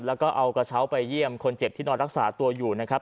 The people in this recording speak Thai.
แล้วก็เอากระเช้าไปเยี่ยมคนเจ็บที่นอนรักษาตัวอยู่นะครับ